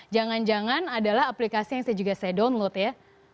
jangan jangan adalah aplikasi yang saya juga saya download ya